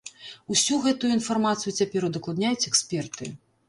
Усю гэтую інфармацыю цяпер удакладняюць эксперты.